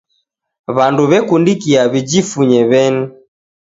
Wandu wekundikia wijifunye weni.